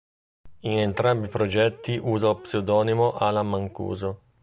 In entrambi i progetti usa lo pseudonimo Alan Mancuso.